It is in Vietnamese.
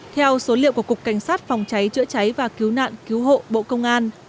theo số liệu của cục cảnh sát phòng cháy chữa cháy và cứu nạn cứu hộ bộ công an